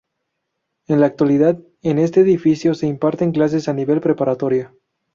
En la actualidad, en este edificio se imparten clases a nivel preparatoria.